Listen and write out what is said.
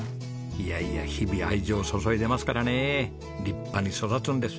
いやいや日々愛情を注いでますからね立派に育つんです。